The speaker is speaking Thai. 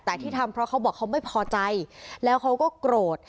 แต่ที่ทำเพราะเขาบอกเขาไม่พอใจแล้วเขาก็โกรธ